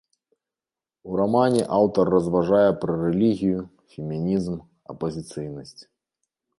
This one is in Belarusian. У рамане аўтар разважае пра рэлігію, фемінізм, апазыцыйнасць.